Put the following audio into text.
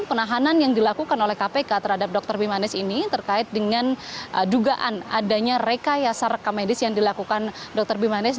penahanan yang dilakukan oleh kpk terhadap dr bimanes ini terkait dengan dugaan adanya rekayasa rekamedis yang dilakukan dr bimanes